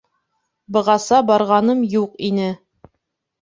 Бығаса барғаным юҡ ине.